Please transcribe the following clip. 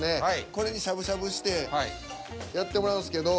これにしゃぶしゃぶしてやってもらうんですけど。